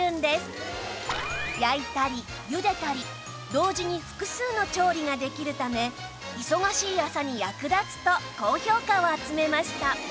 焼いたりゆでたり同時に複数の調理ができるため忙しい朝に役立つと高評価を集めました